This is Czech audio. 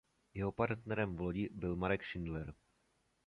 Jeho partnerem v lodi byl Marek Šindler.